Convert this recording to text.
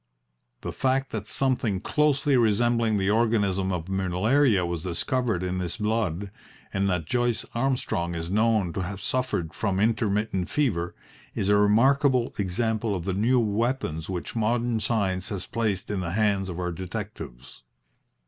The fact that something closely resembling the organism of malaria was discovered in this blood, and that Joyce Armstrong is known to have suffered from intermittent fever, is a remarkable example of the new weapons which modern science has placed in the hands of our detectives.